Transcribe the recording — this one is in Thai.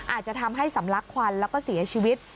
อาจจะทำให้สำลักควันแล้วก็เสียชีวิต